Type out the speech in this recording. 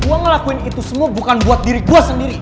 gue ngelakuin itu semua bukan buat diri gue sendiri